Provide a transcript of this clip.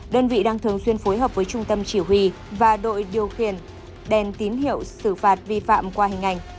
đơn vị đang thường xuyên phối hợp với trung tâm chỉ huy và đội điều khiển đèn tín hiệu xử phạt vi phạm qua hình ảnh